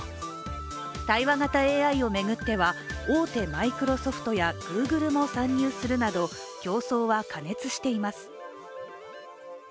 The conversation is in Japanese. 対話型ＡＩを巡っては、大手マイクロソフトやＧｏｏｇｌｅも参入するなど競争は過熱しています。